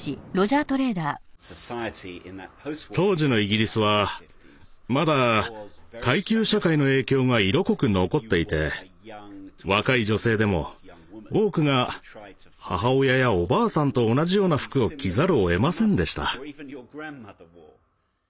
当時のイギリスはまだ階級社会の影響が色濃く残っていて若い女性でも多くが母親やおばあさんと同じような服を着ざるをえませんでした。